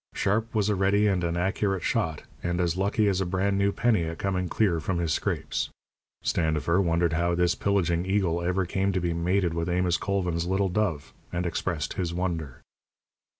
Sharp was a ready and an accurate shot, and as lucky as a brand new penny at coming clear from his scrapes. Standifer wondered how this pillaging eagle ever came to be mated with Amos Colvin's little dove, and expressed his wonder.